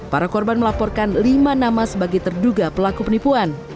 para korban melaporkan lima nama sebagai terduga pelaku penipuan